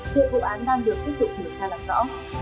dự bộ án đang được tiếp tục điều tra đặt rõ